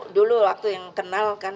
dulu waktu yang kenal kan